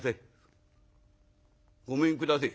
「ごめんくだせえ。